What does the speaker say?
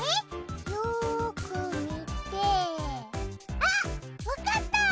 よく見てあっわかった！